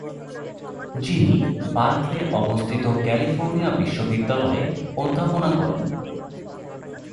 যিনি বার্কলে অবস্থিত ক্যালিফোর্নিয়া বিশ্ববিদ্যালয়ে অধ্যাপনা করেন।